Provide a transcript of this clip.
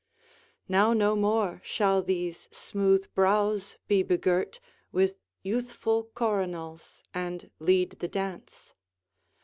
Now no more shall these smooth brows be begirt With youthful coronals, and lead the dance.